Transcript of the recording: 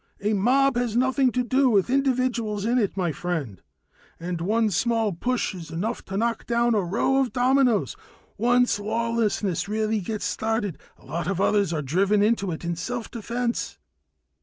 A mob has nothing to do with the individuals in it, my friend. And one small push is enough to knock down a row of dominoes. Once lawlessness really gets started, a lot of others are driven into it in self defense."